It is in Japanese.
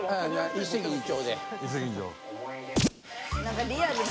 一石二鳥。